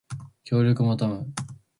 協力求む